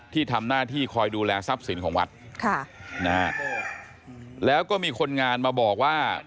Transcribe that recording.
ที่ทำหน้าที่คอยดูแลทรัพย์สินของวัดค่ะนะฮะแล้วก็มีคนงานมาบอกว่า